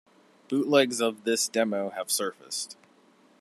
Bootlegs of this demo have surfaced.